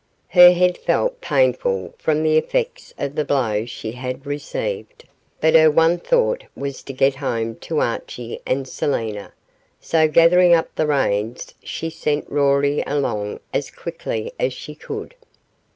Her head felt painful from the effects of the blow she had received, but her one thought was to get home to Archie and Selina, so gathering up the reins she sent Rory along as quickly as she could.